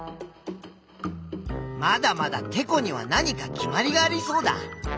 まだまだてこには何か決まりがありそうだ。